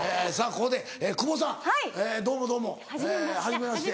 ここで久保さんどうもどうもはじめまして。